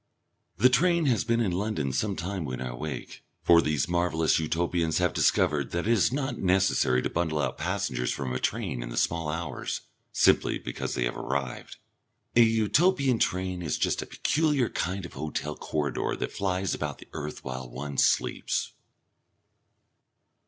The train has been in London some time when I awake, for these marvellous Utopians have discovered that it is not necessary to bundle out passengers from a train in the small hours, simply because they have arrived. A Utopian train is just a peculiar kind of hotel corridor that flies about the earth while one sleeps.